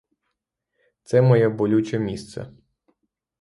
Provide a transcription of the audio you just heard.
Це моє болюче місце.